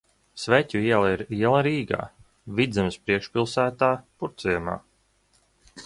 Sveķu iela ir iela Rīgā, Vidzemes priekšpilsētā, Purvciemā.